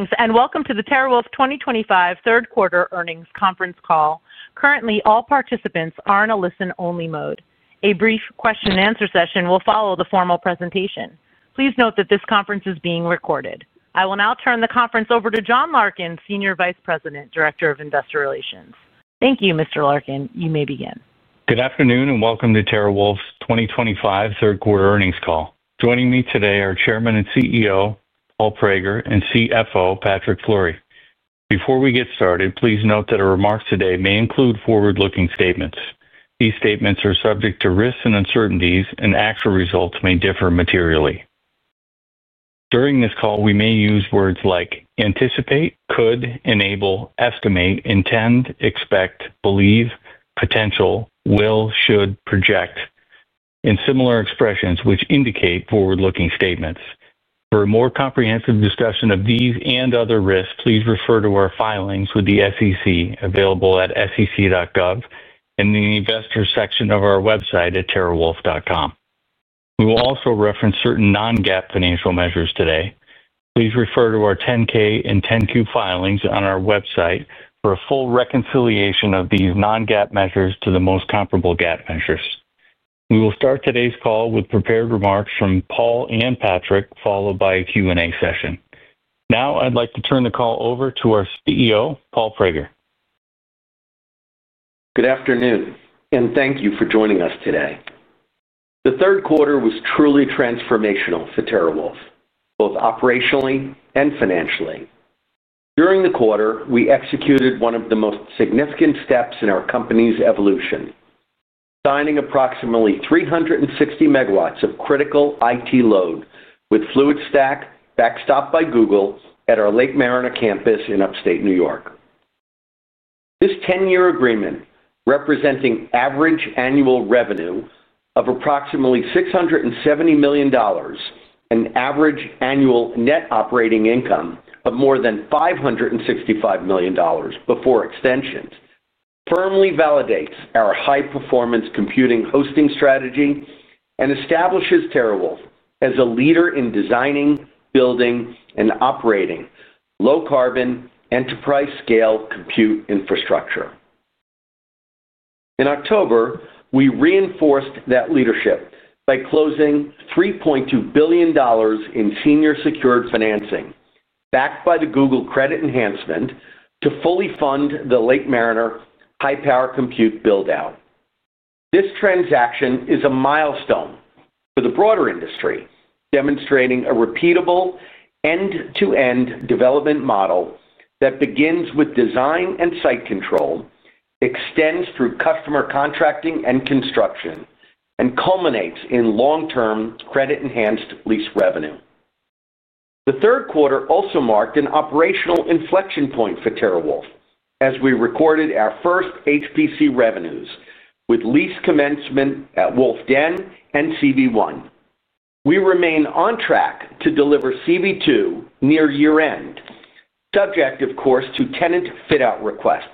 Greetings and welcome to the TeraWulf 2025 Third Quarter Earnings Conference Call. Currently, all participants are in a listen-only mode. A brief question-and-answer session will follow the formal presentation. Please note that this conference is being recorded. I will now turn the conference over to John Larkin, Senior Vice President, Director of Investor Relations. Thank you, Mr. Larkin. You may begin. Good afternoon and welcome to TeraWulf's 2025 Third Quarter Earnings Call. Joining me today are Chairman and CEO Paul Prager and CFO Patrick Fleury. Before we get started, please note that our remarks today may include forward-looking statements. These statements are subject to risks and uncertainties, and actual results may differ materially. During this call, we may use words like anticipate, could, enable, estimate, intend, expect, believe, potential, will, should, project, and similar expressions which indicate forward-looking statements. For a more comprehensive discussion of these and other risks, please refer to our filings with the SEC available at sec.gov and the investor section of our website at terawulf.com. We will also reference certain non-GAAP financial measures today. Please refer to our 10-K and 10-Q filings on our website for a full reconciliation of these non-GAAP measures to the most comparable GAAP measures. We will start today's call with prepared remarks from Paul and Patrick, followed by a Q&A session. Now, I'd like to turn the call over to our CEO, Paul Prager. Good afternoon, and thank you for joining us today. The third quarter was truly transformational for TeraWulf, both operationally and financially. During the quarter, we executed one of the most significant steps in our company's evolution, signing approximately 360 MW of critical IT load with FluidStack backstopped by Google at our Lake Mariner Campus in upstate New York. This 10-year agreement, representing average annual revenue of approximately $670 million and average annual net operating income of more than $565 million before extensions, firmly validates our High-Performance Computing (HPC) Hosting Strategy and establishes TeraWulf as a leader in designing, building, and operating low-carbon enterprise-scale compute infrastructure. In October, we reinforced that leadership by closing $3.2 billion in senior secured financing, backed by the Google credit enhancement to fully fund the Lake Mariner high-power compute buildout. This transaction is a milestone for the broader industry, demonstrating a repeatable end-to-end development model that begins with design and site control, extends through customer contracting and construction, and culminates in long-term credit-enhanced lease revenue. The third quarter also marked an operational inflection point for TeraWulf as we recorded our first HPC revenues with lease commencement at Wolf Den and CV1. We remain on track to deliver CV2 near year-end, subject, of course, to tenant fit-out requests,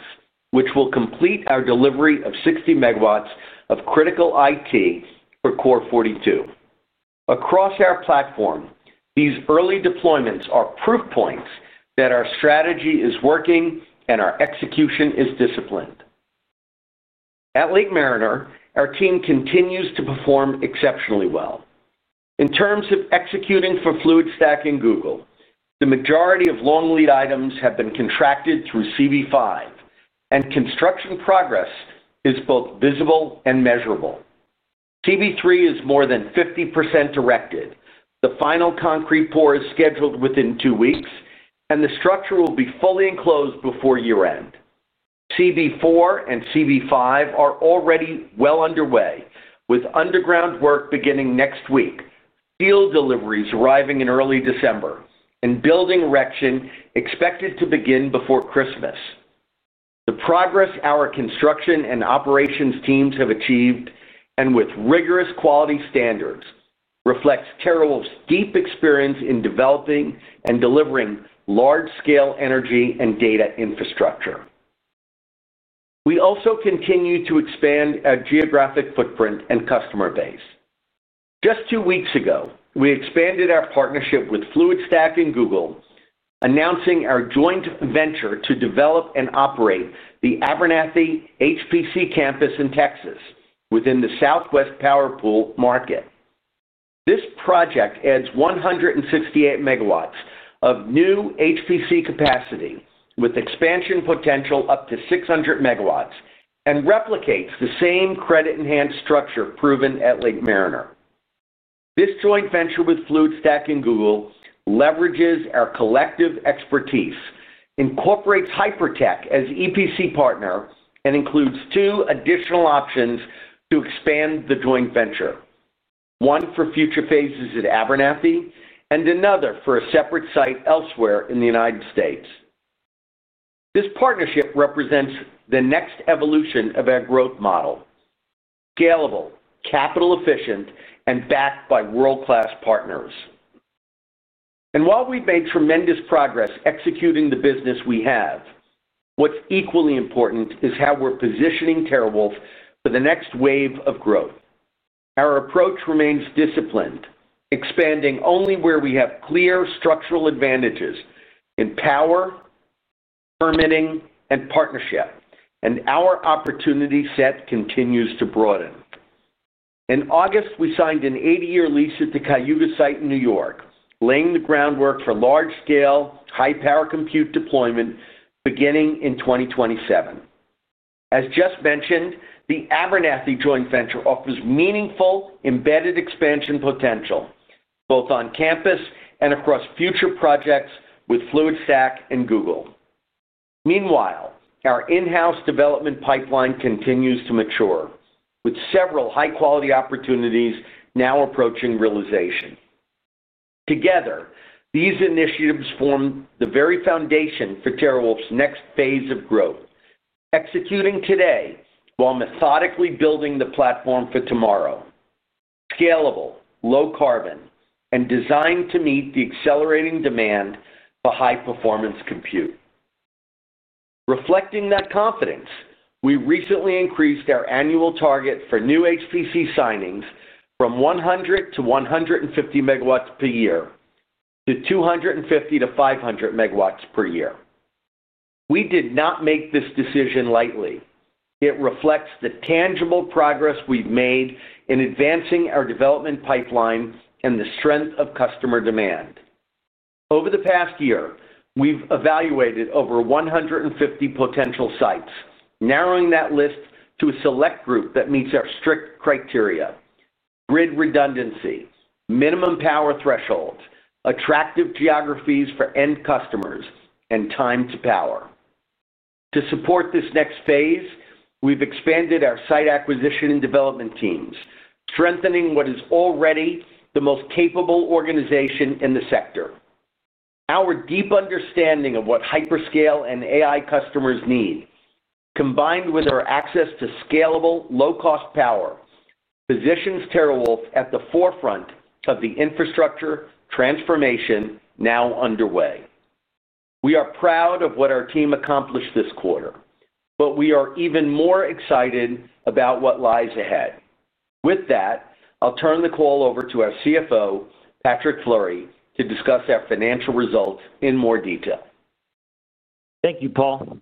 which will complete our delivery of 60 MW of critical IT for Core42. Across our platform, these early deployments are proof points that our strategy is working and our execution is disciplined. At Lake Mariner, our team continues to perform exceptionally well. In terms of executing for FluidStack and Google, the majority of long lead items have been contracted through CV5, and construction progress is both visible and measurable. CV3 is more than 50% directed. The final concrete pour is scheduled within two weeks, and the structure will be fully enclosed before year-end. CV4 and CV5 are already well underway, with underground work beginning next week, steel deliveries arriving in early December, and building erection expected to begin before Christmas. The progress our construction and operations teams have achieved, and with rigorous quality standards, reflects TeraWulf's deep experience in developing and delivering large-scale energy and data infrastructure. We also continue to expand our geographic footprint and customer base. Just two weeks ago, we expanded our partnership with FluidStack and Google, announcing our joint venture to develop and operate the Abernathy HPC Campus in Texas within the Southwest Power Pool market. This project adds 168 MW of new HPC capacity with expansion potential up to 600 MW and replicates the same credit-enhanced structure proven at Lake Mariner. This joint venture with FluidStack and Google leverages our collective expertise, incorporates Hypertec as EPC partner, and includes two additional options to expand the joint venture: one for future phases at Abernathy and another for a separate site elsewhere in the United States. This partnership represents the next evolution of our growth model: scalable, capital-efficient, and backed by world-class partners. While we've made tremendous progress executing the business we have, what's equally important is how we're positioning TeraWulf for the next wave of growth. Our approach remains disciplined, expanding only where we have clear structural advantages in power, permitting, and partnership, and our opportunity set continues to broaden. In August, we signed an 80-year lease at the Cayuga site in New York, laying the groundwork for large-scale high-power compute deployment beginning in 2027. As just mentioned, the Abernathy joint venture offers meaningful embedded expansion potential both on campus and across future projects with FluidStack and Google. Meanwhile, our in-house development pipeline continues to mature, with several high-quality opportunities now approaching realization. Together, these initiatives form the very foundation for TeraWulf's next phase of growth, executing today while methodically building the platform for tomorrow: scalable, low-carbon, and designed to meet the accelerating demand for high-performance compute. Reflecting that confidence, we recently increased our annual target for new HPC signings from 100-150 MW per year to 250-500 MW per year. We did not make this decision lightly. It reflects the tangible progress we've made in advancing our development pipeline and the strength of customer demand. Over the past year, we've evaluated over 150 potential sites, narrowing that list to a select group that meets our strict criteria: grid redundancy, minimum power thresholds, attractive geographies for end customers, and time to power. To support this next phase, we've expanded our site acquisition and development teams, strengthening what is already the most capable organization in the sector. Our deep understanding of what hyperscale and AI customers need, combined with our access to scalable, low-cost power, positions TeraWulf at the forefront of the infrastructure transformation now underway. We are proud of what our team accomplished this quarter, but we are even more excited about what lies ahead. With that, I'll turn the call over to our CFO, Patrick Fleury, to discuss our financial results in more detail. Thank you, Paul.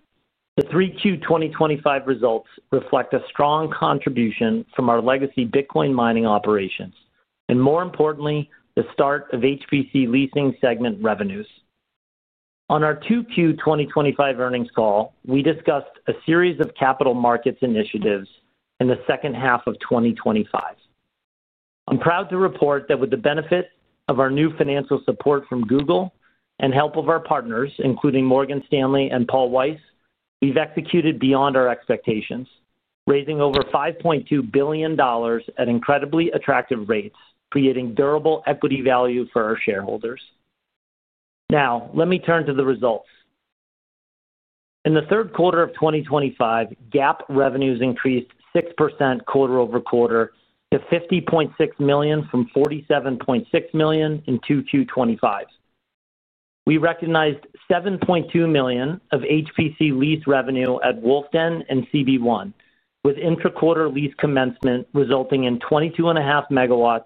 The 3Q 2025 results reflect a strong contribution from our legacy Bitcoin mining operations and, more importantly, the start of HPC leasing segment revenues. On our 2Q 2025 earnings call, we discussed a series of capital markets initiatives in the second half of 2025. I'm proud to report that with the benefit of our new financial support from Google and help of our partners, including Morgan Stanley and Paul Weiss, we've executed beyond our expectations, raising over $5.2 billion at incredibly attractive rates, creating durable equity value for our shareholders. Now, let me turn to the results. In the third quarter of 2025, GAAP revenues increased 6% quarter over quarter to $50.6 million from $47.6 million in 2Q 2025. We recognized $7.2 million of HPC lease revenue at Wolf Den and CV1, with intra-quarter lease commencement resulting in 22.5 MW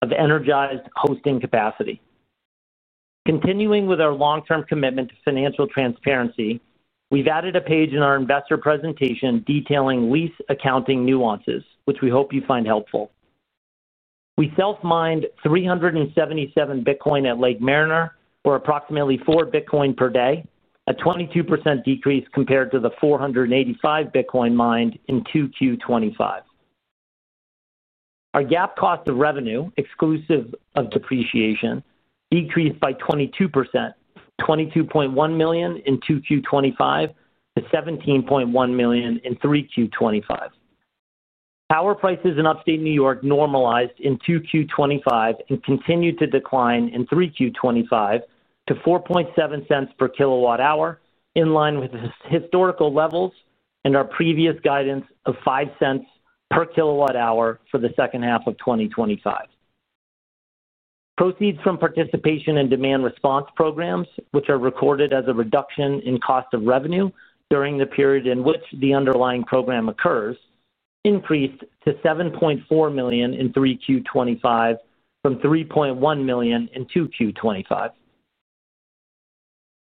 of energized hosting capacity. Continuing with our long-term commitment to financial transparency, we've added a page in our investor presentation detailing lease accounting nuances, which we hope you find helpful. We self-mined 377 Bitcoin at Lake Mariner, or approximately four Bitcoin per day, a 22% decrease compared to the 485 Bitcoin mined in 2Q 2025. Our GAAP cost of revenue, exclusive of depreciation, decreased by 22%, $22.1 million in 2Q 2025 to $17.1 million in 3Q 2025. Power prices in upstate New York normalized in 2Q 2025 and continued to decline in 3Q 2025 to $4.7 per kilowatt-hour, in line with historical levels and our previous guidance of $0.05 per kilowatt-hour for the second half of 2025. Proceeds from participation and demand response programs, which are recorded as a reduction in cost of revenue during the period in which the underlying program occurs, increased to $7.4 million in 3Q 2025 from $3.1 million in 2Q 2025.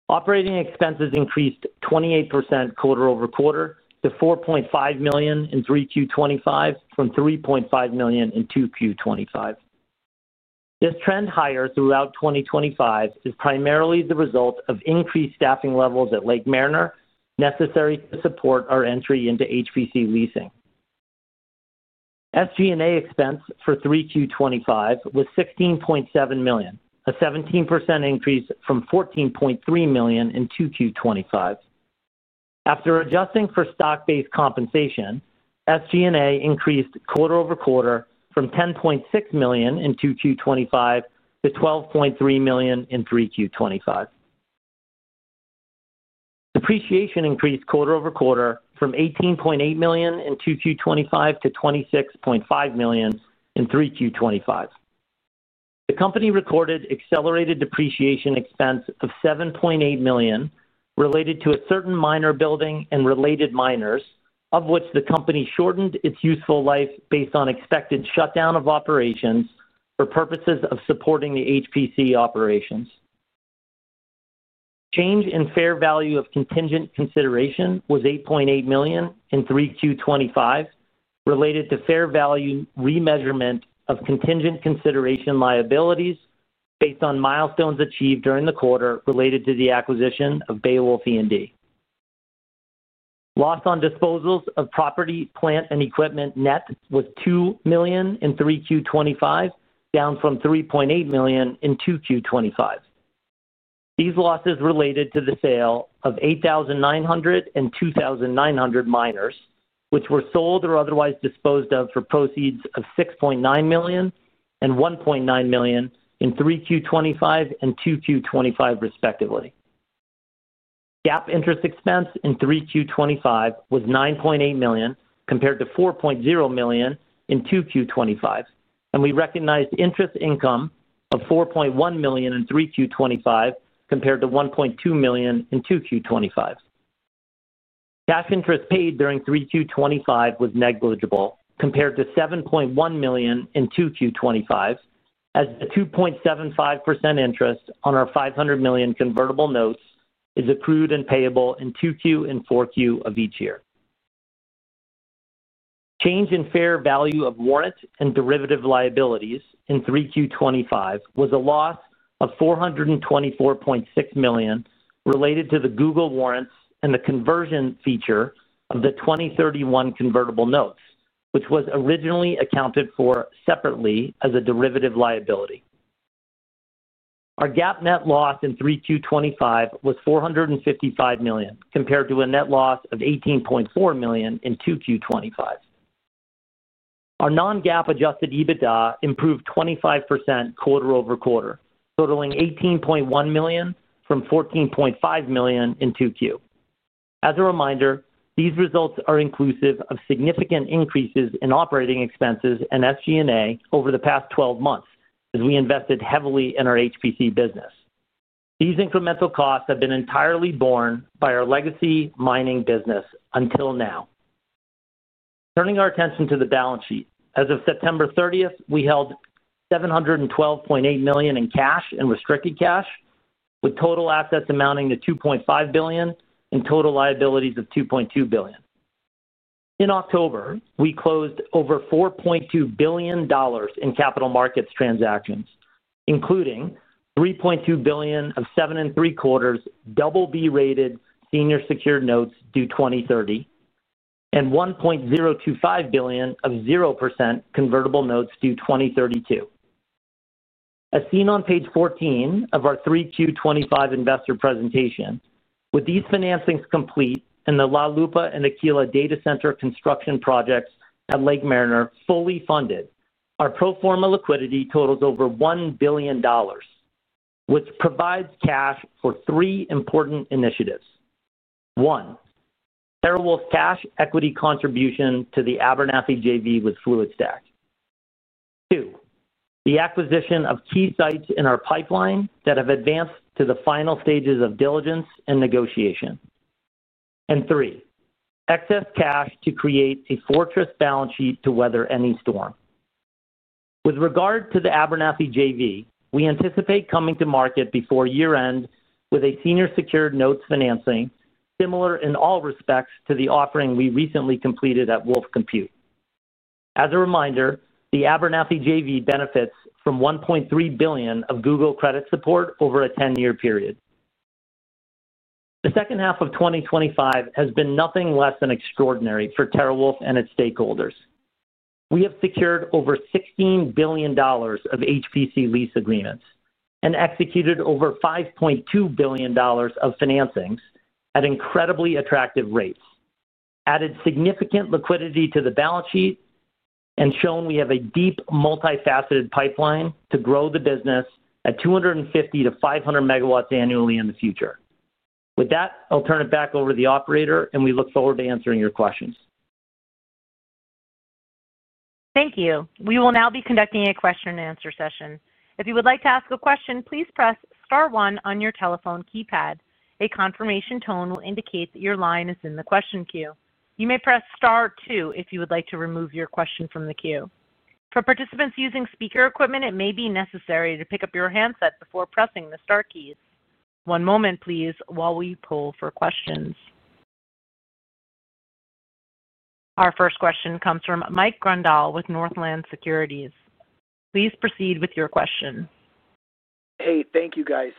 Operating expenses increased 28% quarter over quarter to $4.5 million in 3Q 2025 from $3.5 million in 2Q 2025. This trend higher throughout 2025 is primarily the result of increased staffing levels at Lake Mariner necessary to support our entry into HPC leasing. SG&A expense for 3Q 2025 was $16.7 million, a 17% increase from $14.3 million in 2Q 2025. After adjusting for stock-based compensation, SG&A increased quarter over quarter from $10.6 million in 2Q 2025 to $12.3 million in 3Q 2025. Depreciation increased quarter over quarter from $18.8 million in 2Q 2025 to $26.5 million in 3Q 2025. The company recorded accelerated depreciation expense of $7.8 million related to a certain miner building and related miners, of which the company shortened its useful life based on expected shutdown of operations for purposes of supporting the HPC operations. Change in fair value of contingent consideration was $8.8 million in 3Q 2025 related to fair value remeasurement of contingent consideration liabilities based on milestones achieved during the quarter related to the acquisition of Beowulf E&D. Loss on disposals of property, plant, and equipment net was $2 million in 3Q 2025, down from $3.8 million in 2Q 2025. These losses related to the sale of 8,900 and 2,900 miners, which were sold or otherwise disposed of for proceeds of $6.9 million and $1.9 million in 3Q 2025 and 2Q 2025, respectively. GAAP interest expense in 3Q 2025 was $9.8 million compared to $4.0 million in 2Q 2025, and we recognized interest income of $4.1 million in 3Q 2025 compared to $1.2 million in 2Q 2025. Cash interest paid during 3Q 2025 was negligible compared to $7.1 million in 2Q 2025, as the 2.75% interest on our $500 million convertible notes is accrued and payable in 2Q and 4Q of each year. Change in fair value of warrant and derivative liabilities in 3Q 2025 was a loss of $424.6 million related to the Google warrants and the conversion feature of the 2031 convertible notes, which was originally accounted for separately as a derivative liability. Our GAAP net loss in 3Q 2025 was $455 million compared to a net loss of $18.4 million in 2Q 2025. Our non-GAAP adjusted EBITDA improved 25% quarter over quarter, totaling $18.1 million from $14.5 million in 2Q. As a reminder, these results are inclusive of significant increases in operating expenses and SG&A over the past 12 months, as we invested heavily in our HPC business. These incremental costs have been entirely borne by our legacy mining business until now. Turning our attention to the balance sheet, as of September 30, we held $712.8 million in cash and restricted cash, with total assets amounting to $2.5 billion and total liabilities of $2.2 billion. In October, we closed over $4.2 billion in capital markets transactions, including $3.2 billion of 7.75% double B-rated senior secured notes due 2030 and $1.025 billion of 0% convertible notes due 2032. As seen on page 14 of our 3Q 2025 investor presentation, with these financings complete and the La Lupa and Aquila data center construction projects at Lake Mariner fully funded, our pro forma liquidity totals over $1 billion, which provides cash for three important initiatives: 1) TeraWulf cash equity contribution to the Abernathy JV with FluidStack; 2) the acquisition of key sites in our pipeline that have advanced to the final stages of diligence and negotiation; and 3) excess cash to create a fortress balance sheet to weather any storm. With regard to the Abernathy JV, we anticipate coming to market before year-end with a senior secured notes financing similar in all respects to the offering we recently completed at Wolf Compute. As a reminder, the Abernathy JV benefits from $1.3 billion of Google credit support over a 10-year period. The second half of 2025 has been nothing less than extraordinary for TeraWulf and its stakeholders. We have secured over $16 billion of HPC lease agreements and executed over $5.2 billion of financings at incredibly attractive rates, added significant liquidity to the balance sheet, and shown we have a deep, multifaceted pipeline to grow the business at 250-500 MW annually in the future. With that, I'll turn it back over to the operator, and we look forward to answering your questions. Thank you. We will now be conducting a question-and-answer session. If you would like to ask a question, please press Star one your telephone keypad. A confirmation tone will indicate that your line is in the question queue. You may press Star two if you would like to remove your question from the queue. For participants using speaker equipment, it may be necessary to pick up your handset before pressing the Star keys. One moment, please, while we pull for questions. Our first question comes from Mike Grondahl with Northland Securities. Please proceed with your question. Hey, thank you, guys.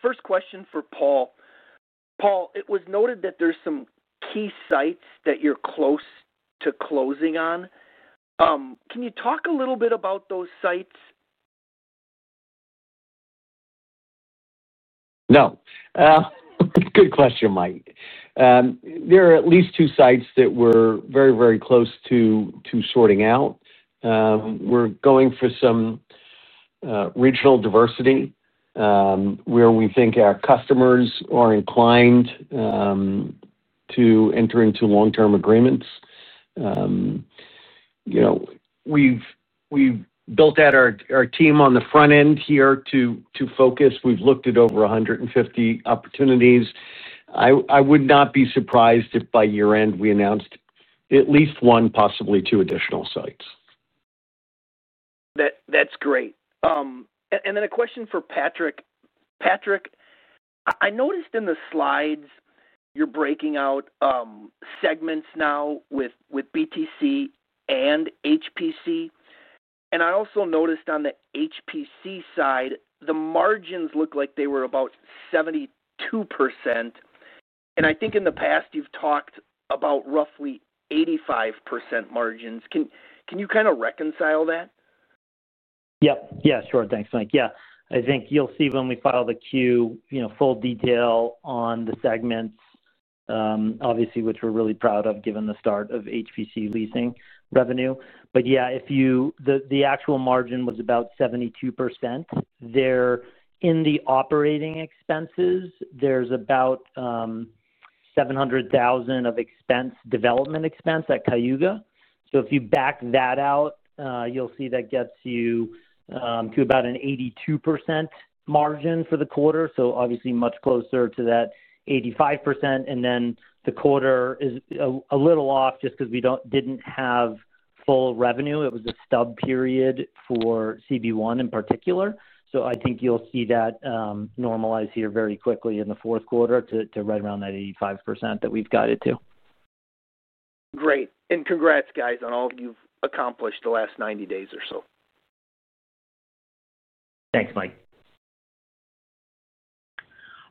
First question for Paul. Paul, it was noted that there are some key sites that you're close to closing on. Can you talk a little bit about those sites? No. Good question, Mike. There are at least two sites that we're very, very close to sorting out. We're going for some regional diversity where we think our customers are inclined to enter into long-term agreements. We've built out our team on the front end here to focus. We've looked at over 150 opportunities. I would not be surprised if by year-end we announced at least one, possibly two additional sites. That's great. A question for Patrick. Patrick, I noticed in the slides you're breaking out segments now with BTC and HPC. I also noticed on the HPC side, the margins look like they were about 72%. I think in the past you've talked about roughly 85% margins. Can you kind of reconcile that? Yep. Yeah, sure. Thanks, Mike. Yeah. I think you'll see when we file the Q, full detail on the segments, obviously, which we're really proud of given the start of HPC leasing revenue. But yeah, the actual margin was about 72%. In the operating expenses, there's about $700,000 of expense, development expense at Cayuga. If you back that out, you'll see that gets you to about an 82% margin for the quarter. Obviously, much closer to that 85%. The quarter is a little off just because we didn't have full revenue. It was a stub period for CB1 in particular. I think you'll see that normalize here very quickly in the fourth quarter to right around that 85% that we've guided to. Great. Congrats, guys, on all you've accomplished the last 90 days or so. Thanks, Mike.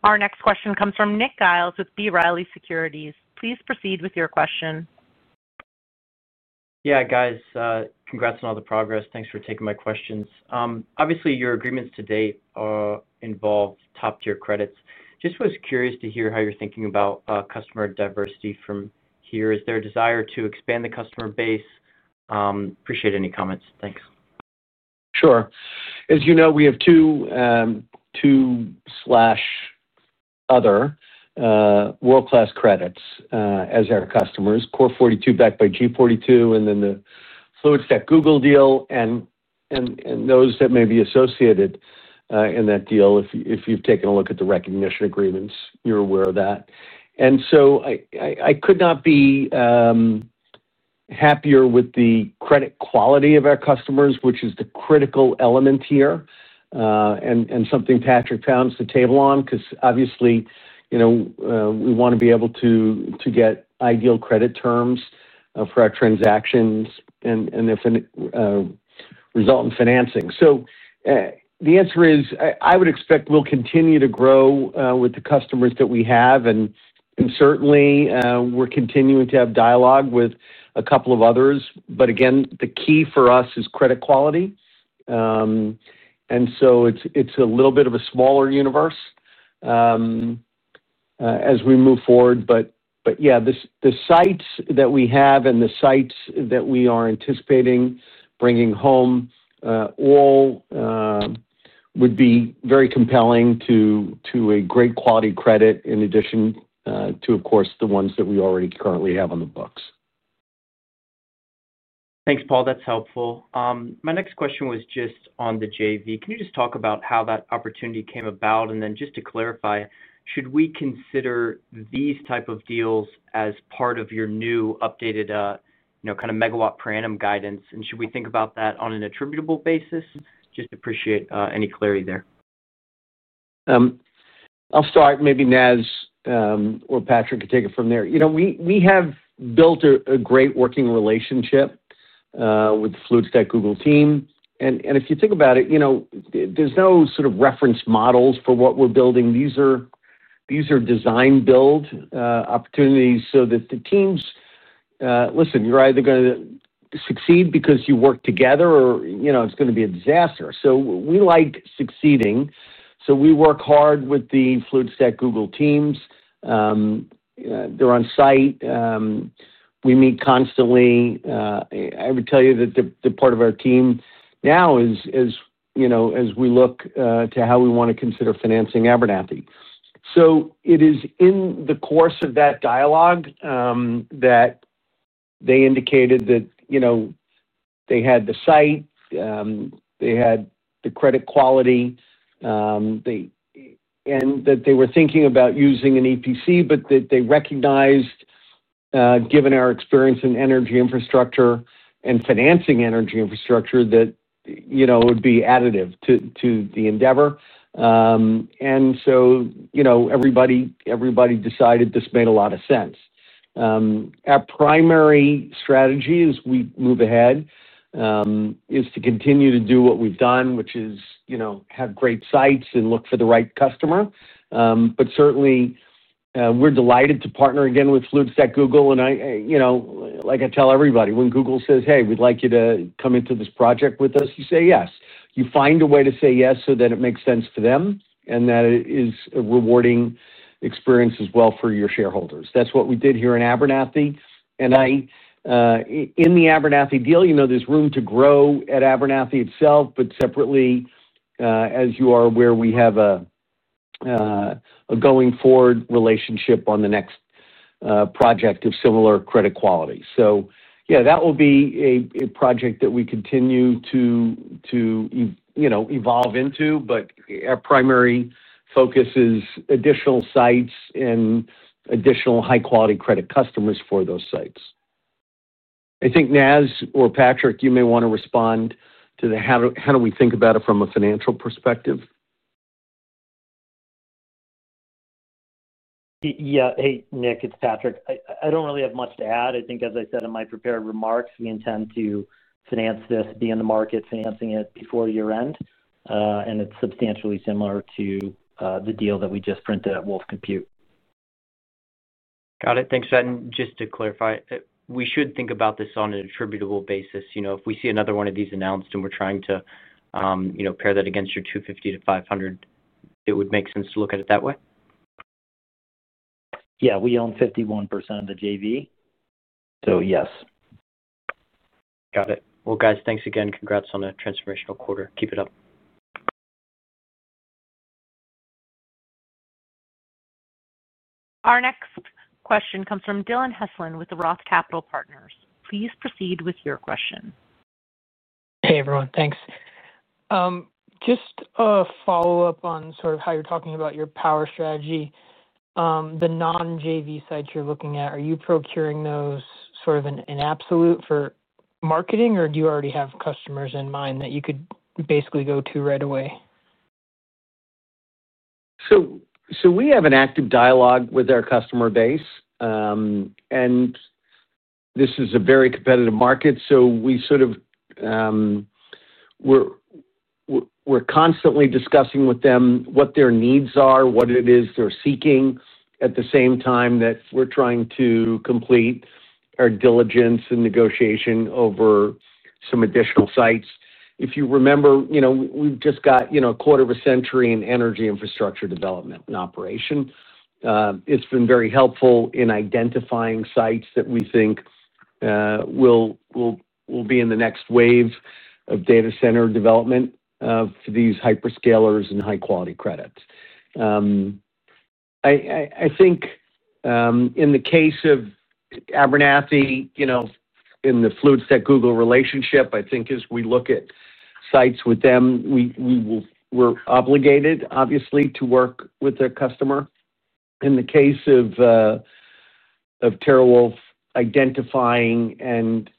Our next question comes from Nick Giles with B. Riley Securities. Please proceed with your question. Yeah, guys, congrats on all the progress. Thanks for taking my questions. Obviously, your agreements to date involve top-tier credits. Just was curious to hear how you're thinking about customer diversity from here. Is there a desire to expand the customer base? Appreciate any comments. Thanks. Sure. As you know, we have two slash other world-class credits as our customers: Core42 backed by G42, and then the FluidStack Google deal, and those that may be associated in that deal if you've taken a look at the recognition agreements. You're aware of that. I could not be happier with the credit quality of our customers, which is the critical element here and something Patrick pounds the table on because, obviously, we want to be able to get ideal credit terms for our transactions and if a resultant financing. The answer is I would expect we'll continue to grow with the customers that we have. Certainly, we're continuing to have dialogue with a couple of others. Again, the key for us is credit quality. It's a little bit of a smaller universe as we move forward. Yeah, the sites that we have and the sites that we are anticipating bringing home all would be very compelling to a great quality credit in addition to, of course, the ones that we already currently have on the books. Thanks, Paul. That's helpful. My next question was just on the JV. Can you just talk about how that opportunity came about? Then just to clarify, should we consider these type of deals as part of your new updated kind of megawatt per annum guidance? Should we think about that on an attributable basis? Just appreciate any clarity there. I'll start. Maybe Naz or Patrick could take it from there. We have built a great working relationship with the FluidStack Google team. If you think about it, there's no sort of reference models for what we're building. These are design-build opportunities so that the teams listen, you're either going to succeed because you work together or it's going to be a disaster. We like succeeding. We work hard with the FluidStack Google teams. They're on site. We meet constantly. I would tell you that the part of our team now is as we look to how we want to consider financing Abernathy. It is in the course of that dialogue that they indicated that they had the site, they had the credit quality, and that they were thinking about using an EPC, but that they recognized, given our experience in energy infrastructure and financing energy infrastructure, that it would be additive to the endeavor. Everybody decided this made a lot of sense. Our primary strategy as we move ahead is to continue to do what we've done, which is have great sites and look for the right customer. Certainly, we're delighted to partner again with FluidStack Google. Like I tell everybody, when Google says, "Hey, we'd like you to come into this project with us," you say yes. You find a way to say yes so that it makes sense to them and that it is a rewarding experience as well for your shareholders. That's what we did here in Abernathy. In the Abernathy deal, there's room to grow at Abernathy itself, but separately, as you are aware, we have a going-forward relationship on the next project of similar credit quality. Yeah, that will be a project that we continue to evolve into. Our primary focus is additional sites and additional high-quality credit customers for those sites. I think Naz or Patrick, you may want to respond to the, "How do we think about it from a financial perspective? Yeah. Hey, Nick, it's Patrick. I don't really have much to add. I think, as I said in my prepared remarks, we intend to finance this, be in the market, financing it before year-end. It's substantially similar to the deal that we just printed at Wolf Compute. Got it. Thanks. Just to clarify, we should think about this on an attributable basis. If we see another one of these announced and we're trying to pair that against your 250-500, it would make sense to look at it that way? Yeah. We own 51% of the JV. So yes. Got it. Guys, thanks again. Congrats on a transformational quarter. Keep it up. Our next question comes from Dillon Heslin with Roth Capital Partners. Please proceed with your question. Hey, everyone. Thanks. Just a follow-up on sort of how you're talking about your power strategy. The non-JV sites you're looking at, are you procuring those sort of in absolute for marketing, or do you already have customers in mind that you could basically go to right away? We have an active dialogue with our customer base. This is a very competitive market. We are constantly discussing with them what their needs are, what it is they are seeking, at the same time that we are trying to complete our diligence and negotiation over some additional sites. If you remember, we have just got a quarter of a century in energy infrastructure development and operation. It has been very helpful in identifying sites that we think will be in the next wave of data center development for these hyperscalers and high-quality credits. I think in the case of Abernathy, in the FluidStack Google relationship, as we look at sites with them, we are obligated, obviously, to work with their customer. In the case of TeraWulf, identifying and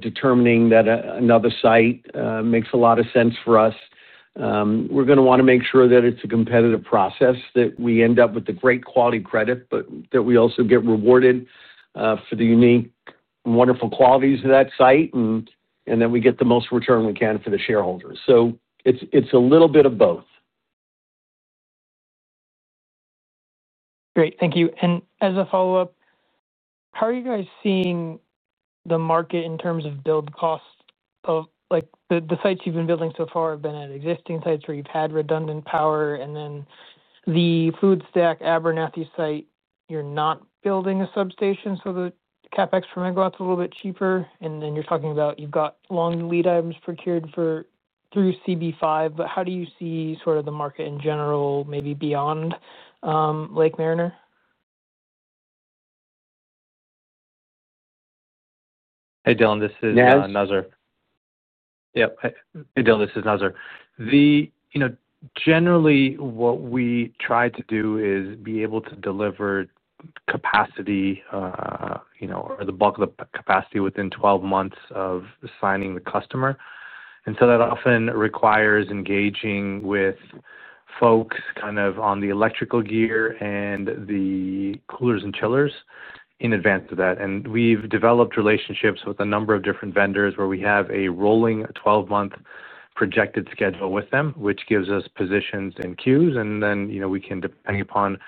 determining that another site makes a lot of sense for us, we're going to want to make sure that it's a competitive process, that we end up with a great quality credit, but that we also get rewarded for the unique and wonderful qualities of that site, and that we get the most return we can for the shareholders. It is a little bit of both. Great. Thank you. As a follow-up, how are you guys seeing the market in terms of build costs? The sites you've been building so far have been at existing sites where you've had redundant power. The FluidStack Abernathy site, you're not building a substation, so the CapEx per megawatt's a little bit cheaper. You're talking about you've got long lead items procured through CB5. How do you see sort of the market in general, maybe beyond Lake Mariner? Hey, Dillon. This is Nazar. Nazar. Yep. Hey, Dillon. This is Nazar. Generally, what we try to do is be able to deliver capacity or the bulk of the capacity within 12 months of signing the customer. That often requires engaging with folks kind of on the electrical gear and the coolers and chillers in advance of that. We have developed relationships with a number of different vendors where we have a rolling 12-month projected schedule with them, which gives us positions in queues. We can, depending upon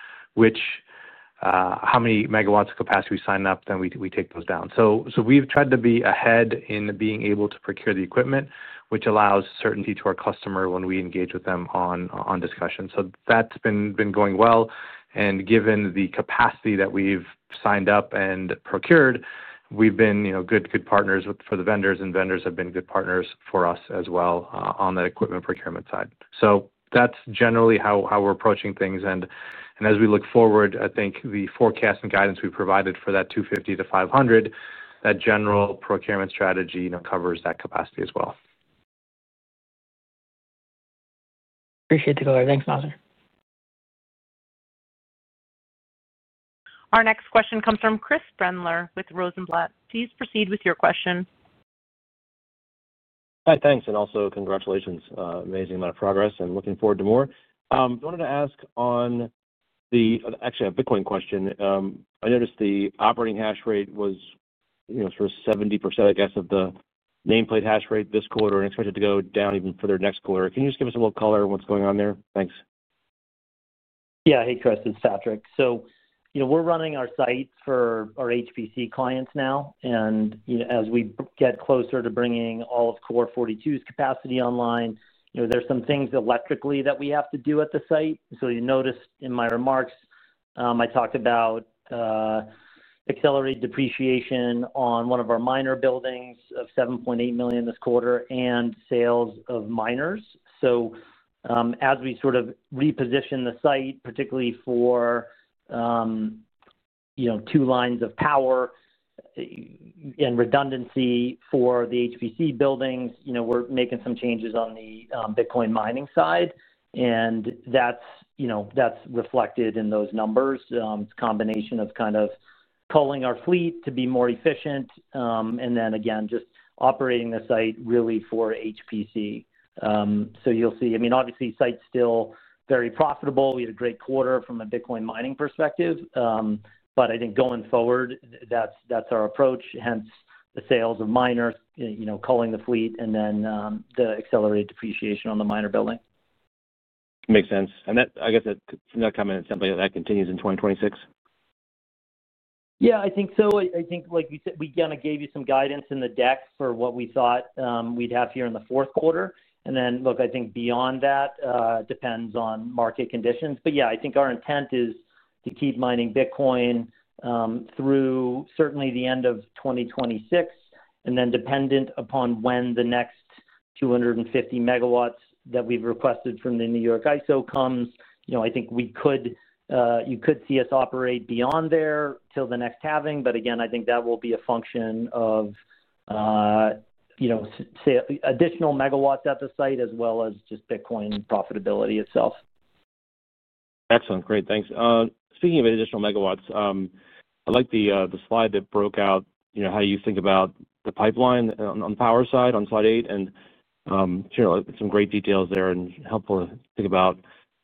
how many MW of capacity we sign up, then we take those down. We have tried to be ahead in being able to procure the equipment, which allows certainty to our customer when we engage with them on discussions. That has been going well. Given the capacity that we've signed up and procured, we've been good partners for the vendors, and vendors have been good partners for us as well on that equipment procurement side. That is generally how we're approaching things. As we look forward, I think the forecast and guidance we've provided for that 250-500, that general procurement strategy covers that capacity as well. Appreciate the color. Thanks, Nazar. Our next question comes from Chris Brendler with Rosenblatt. Please proceed with your question. Hi, thanks. Also, congratulations. Amazing amount of progress and looking forward to more. I wanted to ask on the actually a Bitcoin question. I noticed the operating hash rate was sort of 70% of the nameplate hash rate this quarter and expected to go down even for their next quarter. Can you just give us a little color on what's going on there? Thanks. Yeah. Hey, Chris. It's Patrick. We're running our site for our HPC clients now. As we get closer to bringing all of Core42's capacity online, there are some things electrically that we have to do at the site. You noticed in my remarks, I talked about accelerated depreciation on one of our miner buildings of $7.8 million this quarter and sales of miners. As we sort of reposition the site, particularly for two lines of power and redundancy for the HPC buildings, we're making some changes on the Bitcoin mining side. That's reflected in those numbers. It's a combination of kind of culling our fleet to be more efficient and then, again, just operating the site really for HPC. You'll see, I mean, obviously, the site's still very profitable. We had a great quarter from a Bitcoin mining perspective. I think going forward, that's our approach. Hence, the sales of miners, culling the fleet, and then the accelerated depreciation on the miner building. Makes sense. I guess from that comment, it sounds like that continues in 2026. Yeah. So I think, like we said, we kind of gave you some guidance in the deck for what we thought we'd have here in the fourth quarter. And then, look, I think beyond that, it depends on market conditions. But yeah, I think our intent is to keep mining Bitcoin through certainly the end of 2026. And then dependent upon when the next 250 MW that we've requested from the New York ISO comes, I think you could see us operate beyond there till the next halving. But again, I think that will be a function of additional MW at the site as well as just Bitcoin profitability itself. Excellent. Great. Thanks. Speaking of additional MW, I like the slide that broke out how you think about the pipeline on the power side on slide 8. Some great details there and helpful to think about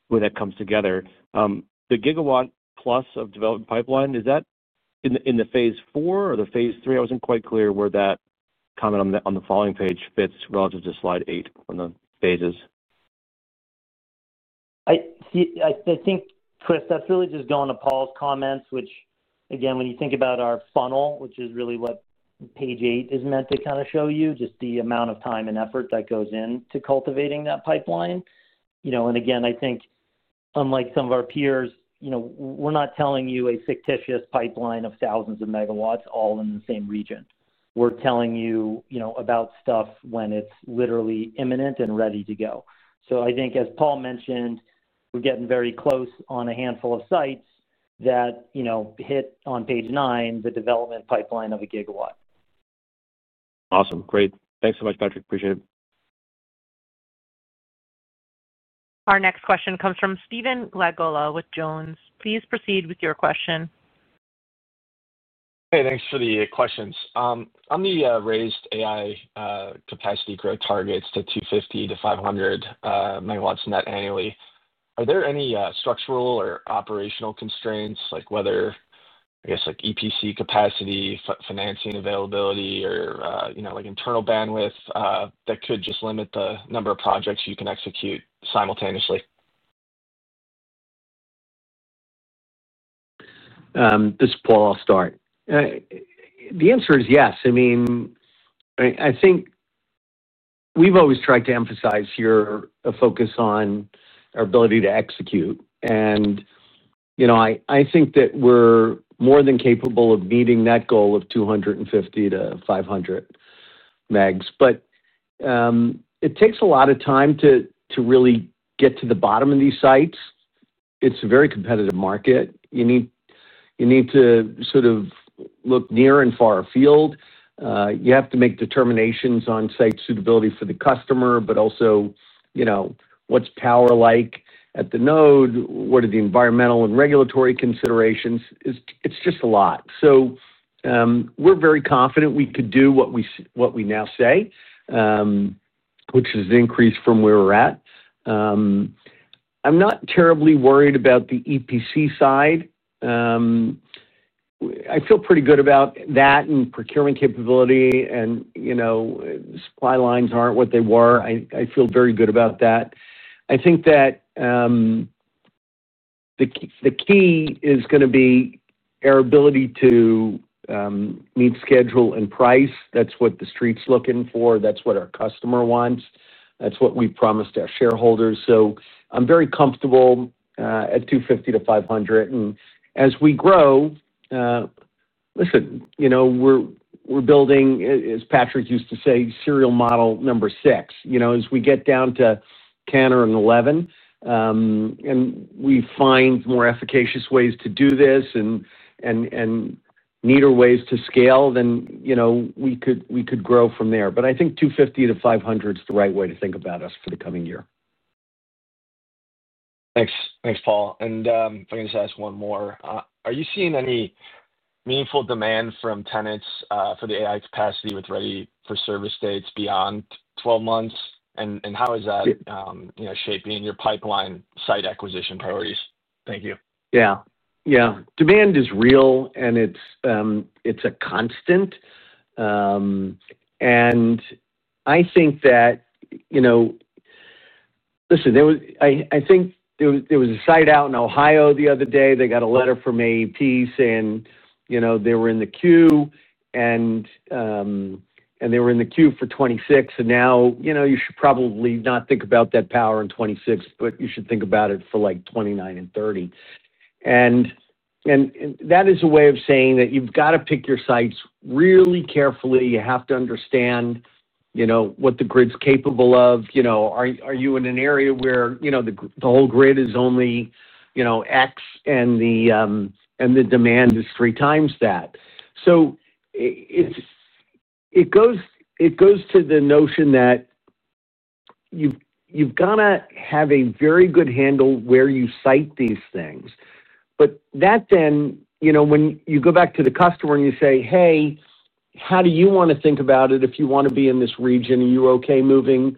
where that comes together. The gigawatt plus of development pipeline, is that in the phase 4 or the phase 3? I was not quite clear where that comment on the following page fits relative to slide 8 on the phases. I think, Chris, that's really just going to Paul's comments, which, again, when you think about our funnel, which is really what page 8 is meant to kind of show you, just the amount of time and effort that goes into cultivating that pipeline. Again, I think unlike some of our peers, we're not telling you a fictitious pipeline of thousands of MW all in the same region. We're telling you about stuff when it's literally imminent and ready to go. I think, as Paul mentioned, we're getting very close on a handful of sites that hit on page 9, the development pipeline of a gigawatt. Awesome. Great. Thanks so much, Patrick. Appreciate it. Our next question comes from Steven Glagola with Jones. Please proceed with your question. Hey, thanks for the questions. On the raised AI capacity growth targets to 250-500 MW net annually, are there any structural or operational constraints, like whether, I guess, EPC capacity, financing availability, or internal bandwidth that could just limit the number of projects you can execute simultaneously? This is Paul. I'll start. The answer is yes. I mean, I think we've always tried to emphasize here a focus on our ability to execute. I think that we're more than capable of meeting that goal of 250-500 megs. It takes a lot of time to really get to the bottom of these sites. It's a very competitive market. You need to sort of look near and far afield. You have to make determinations on site suitability for the customer, but also what's power-like at the node, what are the environmental and regulatory considerations. It's just a lot. We're very confident we could do what we now say, which is an increase from where we're at. I'm not terribly worried about the EPC side. I feel pretty good about that and procurement capability. Supply lines aren't what they were. I feel very good about that. I think that the key is going to be our ability to meet schedule and price. That is what the street's looking for. That is what our customer wants. That is what we have promised our shareholders. I am very comfortable at 250-500. As we grow, listen, we are building, as Patrick used to say, serial model number 6. As we get down to 10 or 11 and we find more efficacious ways to do this and neater ways to scale, then we could grow from there. I think 250-500 is the right way to think about us for the coming year. Thanks. Thanks, Paul. I'm going to ask one more. Are you seeing any meaningful demand from tenants for the AI capacity with ready-for-service dates beyond 12 months? How is that shaping your pipeline site acquisition priorities? Thank you. Yeah. Yeah. Demand is real, and it's a constant. I think that, listen, I think there was a site out in Ohio the other day. They got a letter from AEP saying they were in the queue, and they were in the queue for 2026. You should probably not think about that power in 2026, but you should think about it for like 2029 and 2030. That is a way of saying that you've got to pick your sites really carefully. You have to understand what the grid's capable of. Are you in an area where the whole grid is only X, and the demand is three times that? It goes to the notion that you've got to have a very good handle where you site these things. That then, when you go back to the customer and you say, "Hey, how do you want to think about it if you want to be in this region? Are you okay moving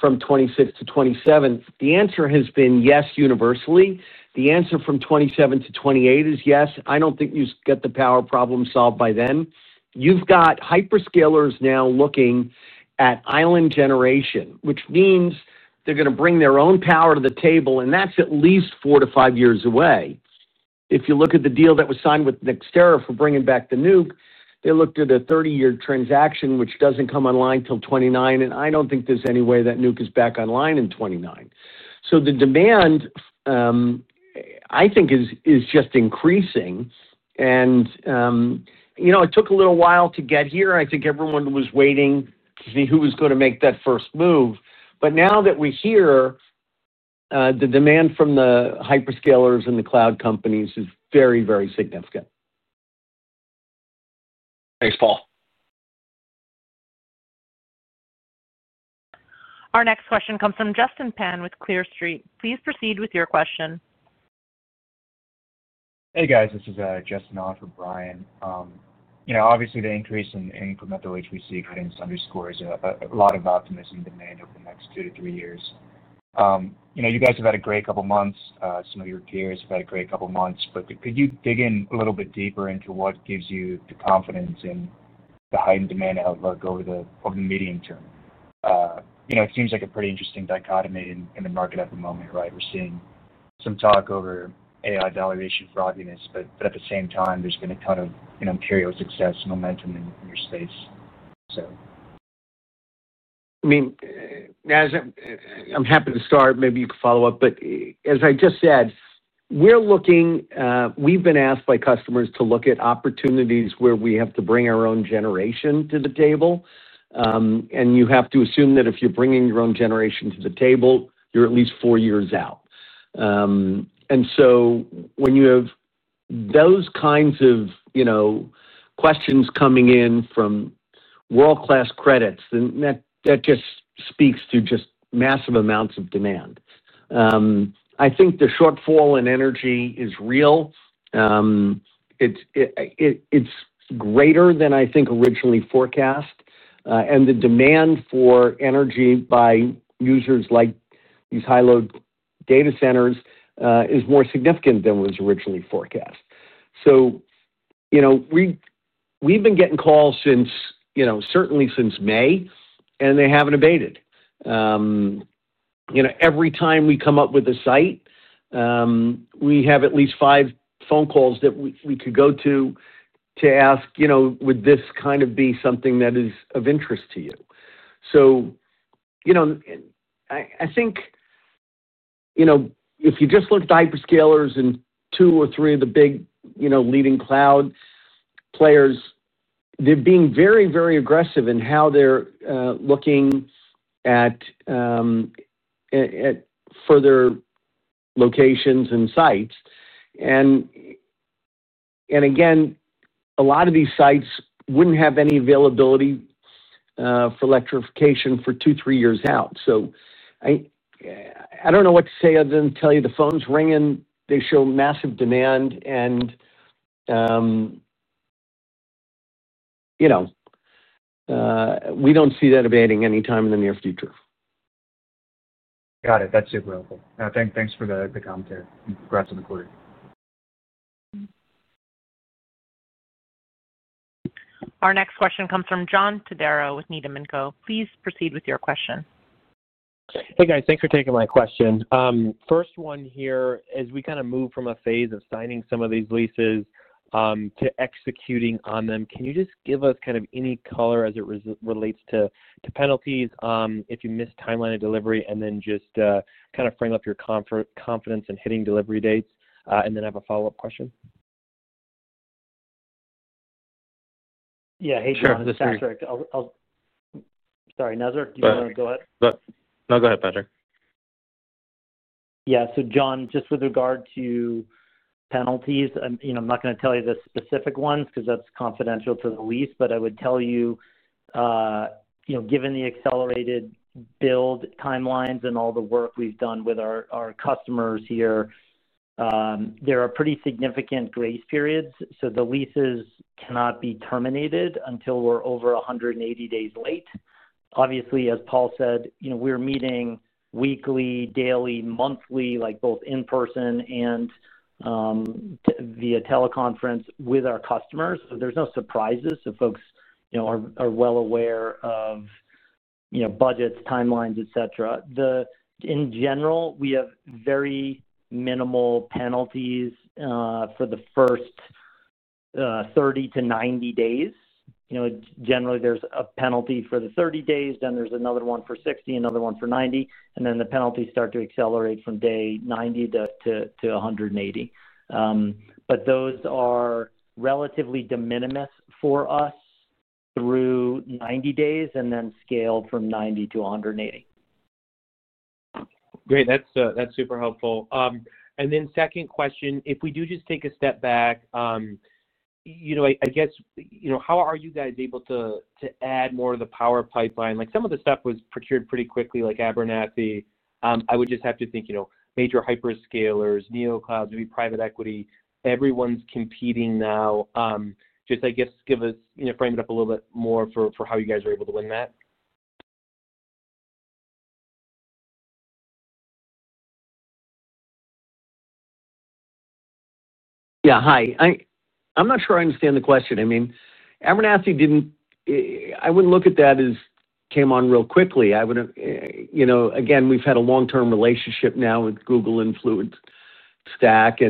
from 26 to 27?" The answer has been, "Yes, universally." The answer from 27 to 28 is, "Yes, I do not think you get the power problem solved by then." You have got hyperscalers now looking at island generation, which means they are going to bring their own power to the table, and that is at least four to five years away. If you look at the deal that was signed with NextEra for bringing back the Nuke, they looked at a 30-year transaction, which does not come online until 2029. I do not think there is any way that Nuke is back online in 2029. The demand, I think, is just increasing. It took a little while to get here. I think everyone was waiting to see who was going to make that first move. Now that we're here, the demand from the hyperscalers and the cloud companies is very, very significant. Thanks, Paul. Our next question comes from Justin Pean with Clear Street. Please proceed with your question. Hey, guys. This is Justin. Other, Brian, obviously, the increase in incremental HPC credits underscores a lot of optimism and demand over the next two to three years. You guys have had a great couple of months. Some of your peers have had a great couple of months. Could you dig in a little bit deeper into what gives you the confidence in the heightened demand outlook over the medium term? It seems like a pretty interesting dichotomy in the market at the moment, right? We're seeing some talk over AI validation fraudulence, but at the same time, there's been a ton of empirical success momentum in your space. I mean, Nazar, I'm happy to start. Maybe you could follow up. As I just said, we've been asked by customers to look at opportunities where we have to bring our own generation to the table. You have to assume that if you're bringing your own generation to the table, you're at least four years out. When you have those kinds of questions coming in from world-class credits, that just speaks to just massive amounts of demand. I think the shortfall in energy is real. It's greater than I think originally forecast. The demand for energy by users like these high-load data centers is more significant than was originally forecast. We've been getting calls certainly since May, and they haven't abated. Every time we come up with a site, we have at least five phone calls that we could go to to ask, "Would this kind of be something that is of interest to you?" I think if you just look at hyperscalers and two or three of the big leading cloud players, they're being very, very aggressive in how they're looking at further locations and sites. Again, a lot of these sites wouldn't have any availability for electrification for two, three years out. I don't know what to say other than tell you the phone's ringing, they show massive demand, and we don't see that abating anytime in the near future. Got it. That's super helpful. Thanks for the commentary. Congrats on the quarter. Our next question comes from John Todaro with Needham & Company. Please proceed with your question. Hey, guys. Thanks for taking my question. First one here, as we kind of move from a phase of signing some of these leases to executing on them, can you just give us kind of any color as it relates to penalties if you miss timeline of delivery and then just kind of frame up your confidence in hitting delivery dates? I have a follow-up question. Yeah. Hey, John. Sure. This is Patrick. Sorry. Nazar, do you want to go ahead? No, go ahead, Patrick. Yeah. So John, just with regard to penalties, I'm not going to tell you the specific ones because that's confidential to the lease. But I would tell you, given the accelerated build timelines and all the work we've done with our customers here, there are pretty significant grace periods. The leases cannot be terminated until we're over 180 days late. Obviously, as Paul said, we're meeting weekly, daily, monthly, both in person and via teleconference with our customers. There's no surprises. Folks are well aware of budgets, timelines, etc. In general, we have very minimal penalties for the first 30-90 days. Generally, there's a penalty for the 30 days, then there's another one for 60, another one for 90, and then the penalties start to accelerate from day 90 to 180. Those are relatively de minimis for us through 90 days and then scaled from 90 to 180. Great. That's super helpful. Then second question, if we do just take a step back, I guess, how are you guys able to add more of the power pipeline? Some of the stuff was procured pretty quickly, like Abernathy. I would just have to think major hyperscalers, NeoCloud, maybe private equity. Everyone's competing now. Just, I guess, give us, frame it up a little bit more for how you guys were able to win that. Yeah. Hi. I'm not sure I understand the question. I mean, Abernathy didn't, I wouldn't look at that as came on real quickly. Again, we've had a long-term relationship now with Google and FluidStack.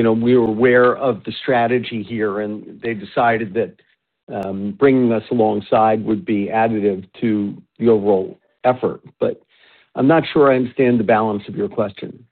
We were aware of the strategy here, and they decided that bringing us alongside would be additive to the overall effort. I'm not sure I understand the balance of your question.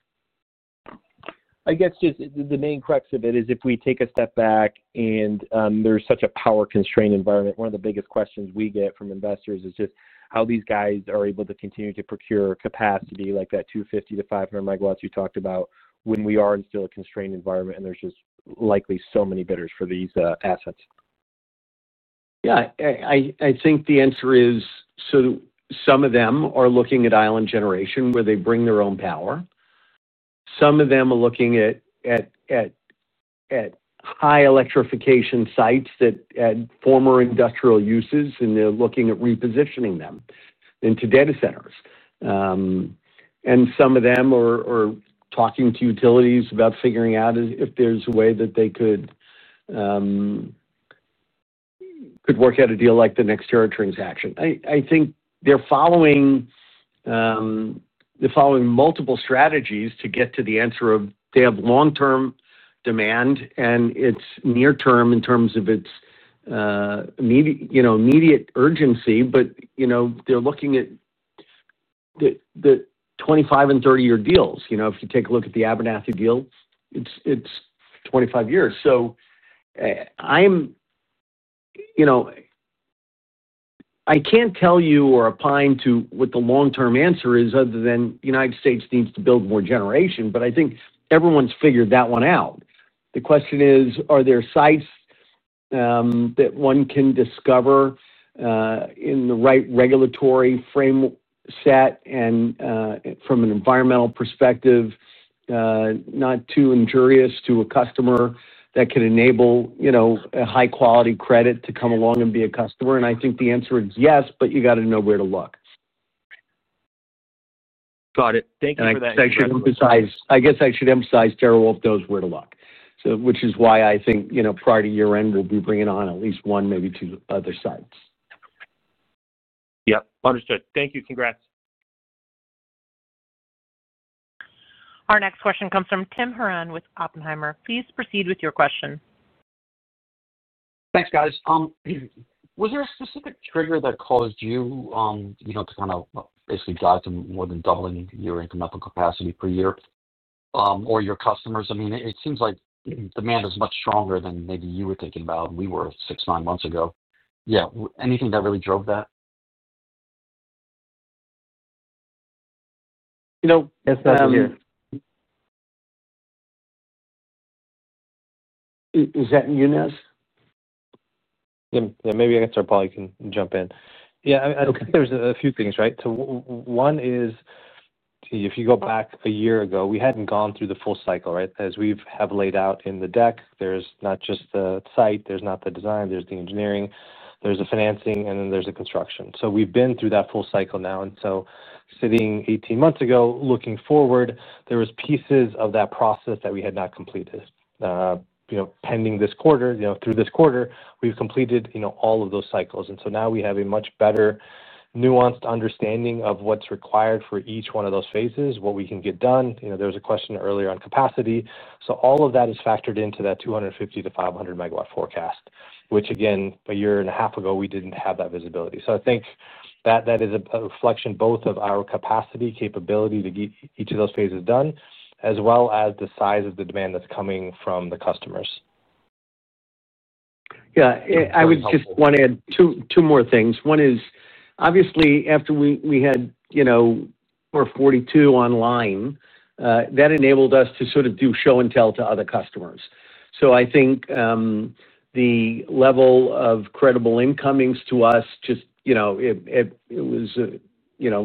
I guess the main crux of it is if we take a step back and there's such a power-constrained environment, one of the biggest questions we get from investors is just how these guys are able to continue to procure capacity like that 250-500 MW you talked about when we are in still a constrained environment and there's just likely so many bidders for these assets. Yeah. I think the answer is some of them are looking at island generation where they bring their own power. Some of them are looking at high electrification sites that had former industrial uses, and they're looking at repositioning them into data centers. Some of them are talking to utilities about figuring out if there's a way that they could work out a deal like the NextEra transaction. I think they're following multiple strategies to get to the answer of they have long-term demand, and it's near-term in terms of its immediate urgency, but they're looking at the 25 and 30-year deals. If you take a look at the Abernathy deal, it's 25 years. I can't tell you or opine to what the long-term answer is other than the United States needs to build more generation, but I think everyone's figured that one out. The question is, are there sites that one can discover in the right regulatory frame set and from an environmental perspective, not too injurious to a customer that can enable a high-quality credit to come along and be a customer? I think the answer is yes, but you got to know where to look. Got it. Thank you for that. I guess I should emphasize TeraWulf knows where to look, which is why I think prior to year-end, we'll be bringing on at least one, maybe two other sites. Yep. Understood. Thank you. Congrats. Our next question comes from Tim Herron with Oppenheimer. Please proceed with your question. Thanks, guys. Was there a specific trigger that caused you to kind of basically drive to more than doubling your incremental capacity per year or your customers? I mean, it seems like demand is much stronger than maybe you were thinking about when we were six, nine months ago. Yeah. Anything that really drove that? Yes, Nazar. Is that you, Naz? Yeah. Maybe I guess Paul can jump in. Yeah. I think there's a few things, right? One is, if you go back a year ago, we hadn't gone through the full cycle, right? As we have laid out in the deck, there's not just the site, there's not the design, there's the engineering, there's the financing, and then there's the construction. We've been through that full cycle now. Sitting 18 months ago, looking forward, there were pieces of that process that we had not completed. Pending this quarter, through this quarter, we've completed all of those cycles. Now we have a much better nuanced understanding of what's required for each one of those phases, what we can get done. There was a question earlier on capacity. All of that is factored into that 250-500 megawatt forecast, which, again, a year and a half ago, we did not have that visibility. I think that is a reflection both of our capacity, capability to get each of those phases done, as well as the size of the demand that is coming from the customers. Yeah. I would just want to add two more things. One is, obviously, after we had 42 online, that enabled us to sort of do show and tell to other customers. I think the level of credible incomings to us, just it was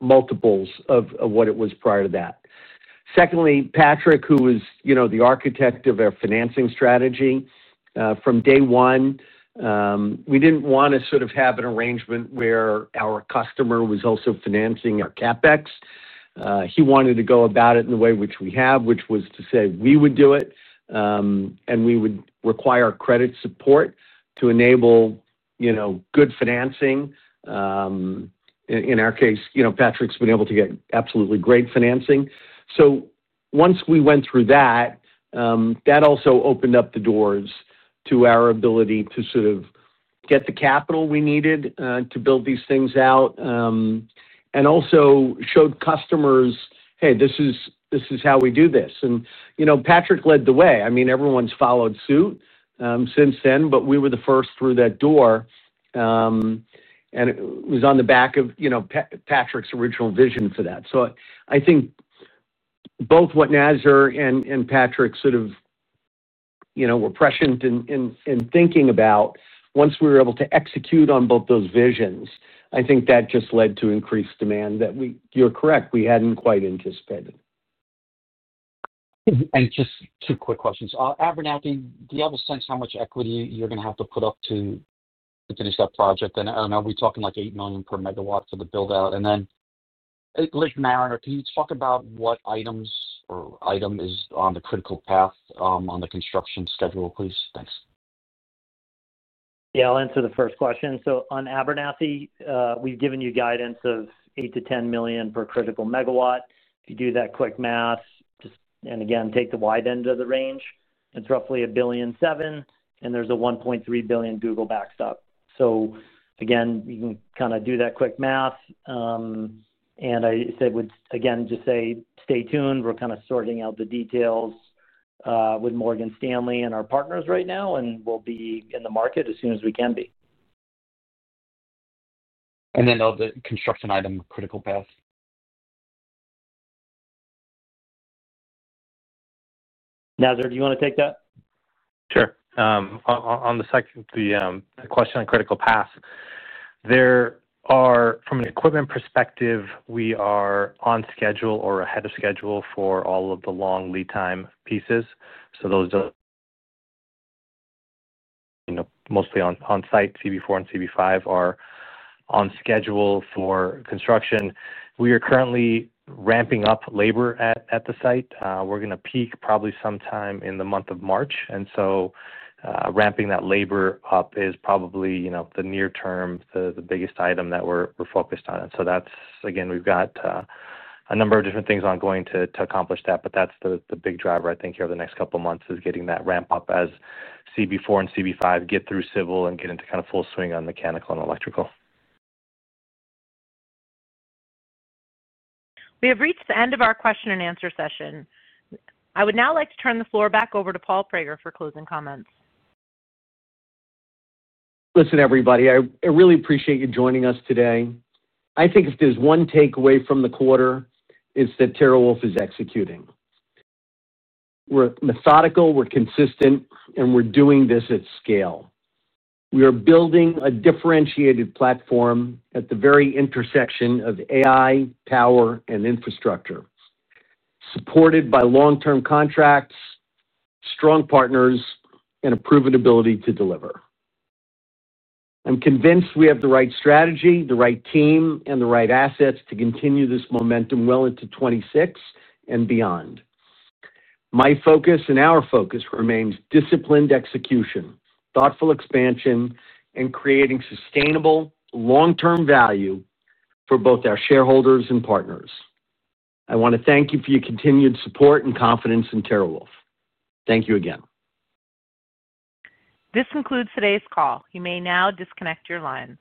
multiples of what it was prior to that. Secondly, Patrick, who is the architect of our financing strategy, from day one, we did not want to sort of have an arrangement where our customer was also financing our CapEx. He wanted to go about it in the way which we have, which was to say we would do it, and we would require credit support to enable good financing. In our case, Patrick's been able to get absolutely great financing. Once we went through that, that also opened up the doors to our ability to sort of get the capital we needed to build these things out and also showed customers, "Hey, this is how we do this." Patrick led the way. I mean, everyone's followed suit since then, but we were the first through that door. It was on the back of Patrick's original vision for that. I think both what Nazar and Patrick sort of were prescient in thinking about, once we were able to execute on both those visions, I think that just led to increased demand that you're correct, we hadn't quite anticipated. Just two quick questions. Abernathy, do you have a sense how much equity you're going to have to put up to finish that project? I don't know, are we talking like $8 million per megawatt for the build-out? Lake Mariner, can you talk about what items or item is on the critical path on the construction schedule, please? Thanks. Yeah. I'll answer the first question. On Abernathy, we've given you guidance of $8 million-$10 million per critical megawatt. If you do that quick math and again, take the wide end of the range, it's roughly $1.7 billion, and there's a $1.3 billion Google backstop. You can kind of do that quick math. I would again just say, stay tuned. We're kind of sorting out the details with Morgan Stanley and our partners right now, and we'll be in the market as soon as we can be. The construction item critical path. Nazar, do you want to take that? Sure. On the question on critical path, from an equipment perspective, we are on schedule or ahead of schedule for all of the long lead time pieces. Those mostly on-site, CB4 and CB5 are on schedule for construction. We are currently ramping up labor at the site. We're going to peak probably sometime in the month of March. Ramping that labor up is probably the near-term, the biggest item that we're focused on. That's, again, we've got a number of different things ongoing to accomplish that, but that's the big driver, I think, here over the next couple of months is getting that ramp up as CB4 and CB5 get through civil and get into kind of full swing on mechanical and electrical. We have reached the end of our question and answer session. I would now like to turn the floor back over to Paul Prager for closing comments. Listen, everybody, I really appreciate you joining us today. I think if there's one takeaway from the quarter, it's that TeraWulf is executing. We're methodical, we're consistent, and we're doing this at scale. We are building a differentiated platform at the very intersection of AI, power, and infrastructure, supported by long-term contracts, strong partners, and a proven ability to deliver. I'm convinced we have the right strategy, the right team, and the right assets to continue this momentum well into 2026 and beyond. My focus and our focus remains disciplined execution, thoughtful expansion, and creating sustainable long-term value for both our shareholders and partners. I want to thank you for your continued support and confidence in TeraWulf. Thank you again. This concludes today's call. You may now disconnect your lines.